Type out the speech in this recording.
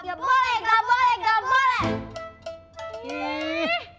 ya boleh gak boleh gak boleh